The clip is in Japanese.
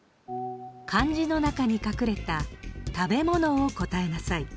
漢字の中に隠れた食べ物を答えなさい。